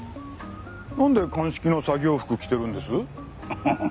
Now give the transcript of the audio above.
なんで鑑識の作業服着てるんです？